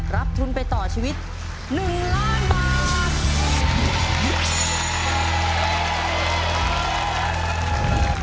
รับทุนไปต่อชีวิต๑ล้านบาท